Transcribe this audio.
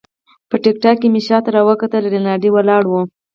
په تګ تګ کې مې شاته راوکتل، رینالډي ولاړ وو.